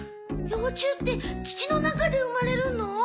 幼虫って土の中で生まれるの？